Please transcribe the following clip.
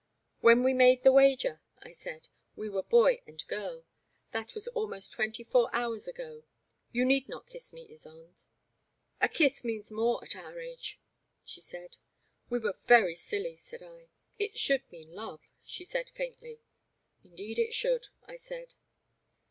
"When we made the wager,*' I said, "we were boy and girl. That was almost twenty four hours ago. You need not kiss me, Ysonde." " A kiss means more at our age," she said. " We were very silly," said I. It should mean love," she said, faintly. Indeed it should," I said.